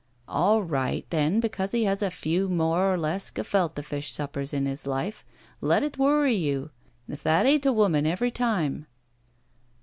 "All right, then, because he has a few more or less gefulte'&sb, suppers in his life, let it worry you! If that ain't a woman every time."